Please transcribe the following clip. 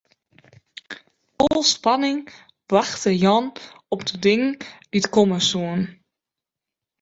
Fol spanning wachte Jan op de dingen dy't komme soene.